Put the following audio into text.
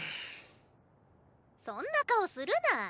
そんな顔するな。